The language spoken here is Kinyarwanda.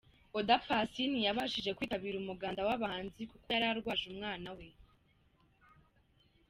Oda Paccy ntiyabashije kwitabira umuganda w’abahanzi kuko yari arwaje umwana we.